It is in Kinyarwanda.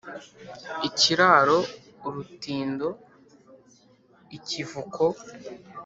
ikiraro, urutindo, ikivuko